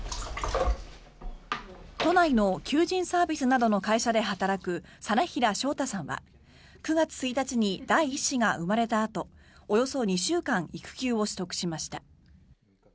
都内の求人サービスなどの会社で働く実平翔太さんは９月１日に第１子が生まれたあとおよそ２週間育休を取得しました。